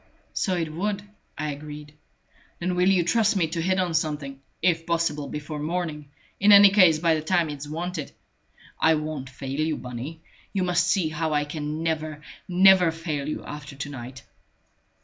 "So it would," I agreed. "Then will you trust me to hit on something if possible before morning in any case by the time it's wanted? I won't fail you, Bunny. You must see how I can never, never fail you after to night!"